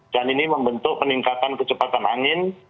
dan ini membentuk peningkatan kecepatan angin